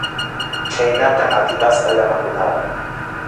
Chhaynatam atipasqa llamakunawan.